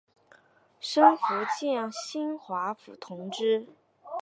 升福建兴化府同知。